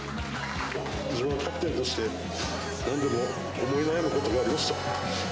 自分はキャプテンとして、何度も思い悩むことがありました。